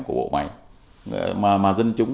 của bộ máy mà dân chúng